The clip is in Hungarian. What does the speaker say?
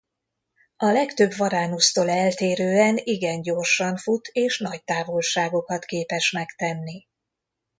A legtöbb varánusztól eltérően igen gyorsan fut és nagy távolságokat képes megtenni.